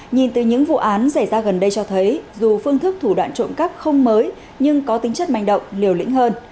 nhìn từ những vụ án xảy ra gần đây cho thấy dù phương thức thủ đoạn trộm cắp không mới nhưng có tính chất manh động liều lĩnh hơn